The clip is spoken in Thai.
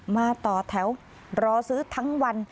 มาต่อแถวรอซื้อทั้งวัน